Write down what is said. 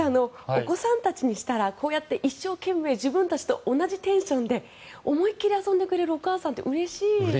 お子さんたちにしたらこうやって一生懸命自分たちと同じテンションで思いっきり遊んでくれるお母さんってうれしいですよね。